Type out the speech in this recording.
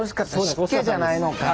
湿気じゃないのか。